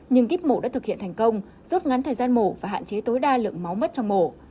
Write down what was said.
nhưng kíp mổ đã thực hiện thành công rút ngắn thời gian mổ và hạn chế tối đa lượng máu mất trong mổ